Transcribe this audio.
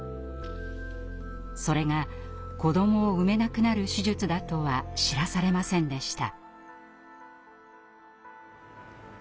それが子どもを産めなくなる手術だとは知らされませんでした。